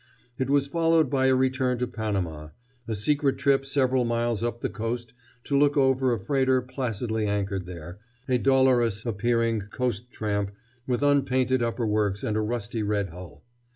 It was followed by a return to Panama, a secret trip several miles up the coast to look over a freighter placidly anchored there, a dolorous appearing coast tramp with unpainted upperworks and a rusty red hull.